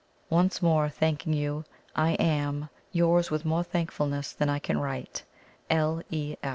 Once more thanking you, I am, "Yours with more thankfulness than I can write, "L. E.